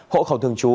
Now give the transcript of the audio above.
hộ khẩu thường trú